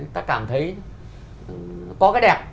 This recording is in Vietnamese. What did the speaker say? ta cảm thấy có cái đẹp